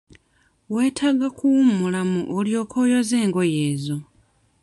Weetaaga kuwummulamu olyoke oyoze engoye ezo.